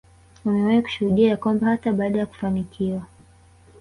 wamewahi kushuhudia ya kwamba hata baada ya kufanikiwa